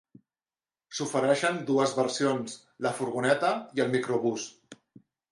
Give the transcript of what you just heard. S'ofereixen dues versions, la furgoneta i el microbús.